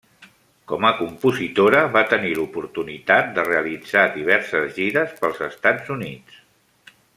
Com a compositora va tenir l'oportunitat de realitzar diverses gires pels Estats Units.